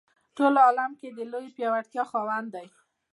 په ټول عالم کې د لویې پیاوړتیا خاوند دی.